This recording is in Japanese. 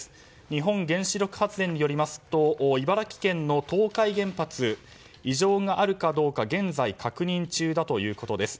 日本原子力発電によりますと茨城県の東海原発異常があるかどうか現在、確認中だということです。